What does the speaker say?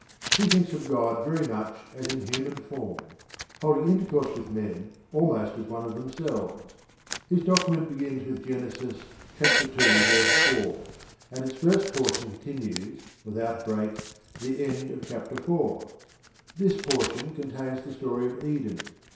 He thinks of God very much as in human form, holding intercourse with men almost as one of themselves. His document begins with Genesis ii. 4, and its first portion continues, without break, to the end of chapter iv. This portion contains the story of Eden.